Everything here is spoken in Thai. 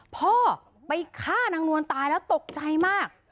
พ่อไปฆ่านางนวลตายแล้วตกใจมาก